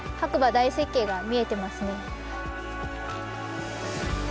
大雪渓が見えてますね。